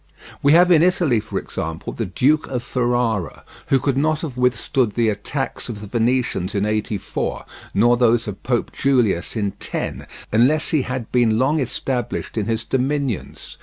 We have in Italy, for example, the Duke of Ferrara, who could not have withstood the attacks of the Venetians in '84, nor those of Pope Julius in '10, unless he had been long established in his dominions.